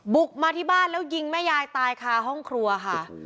บุกมาที่บ้านแล้วยิงแม่ยายตายคาห้องครัวค่ะ